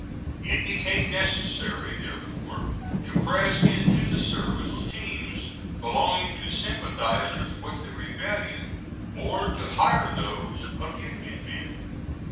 It became necessary therefore to press into the service teams belonging to sympathizers with the rebellion or to hire those of Union men.